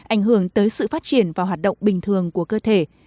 ảnh hưởng tới sự phát triển và hoạt động bình thường của cơ thể